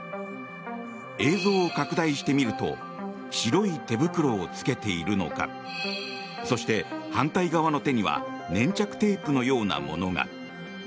映像を拡大してみると白い手袋を着けているのかそして、反対側の手には粘着テープのようなものが。